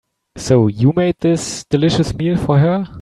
So, you made this delicious meal for her?